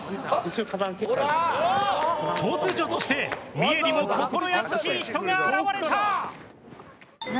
突如として三重にも心優しい人が現れた！